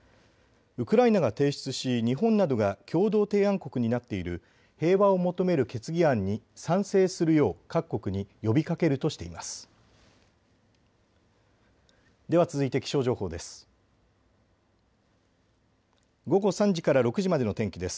ウクライナが提出し日本などが共同提案国になっている平和を求める決議案に賛成するよう各国に呼びかけるとしています。